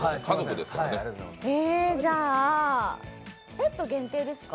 じゃあ、ペット限定ですか？